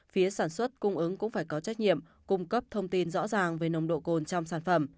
phía sản xuất cung ứng cũng phải có trách nhiệm cung cấp thông tin rõ ràng về nồng độ cồn trong sản phẩm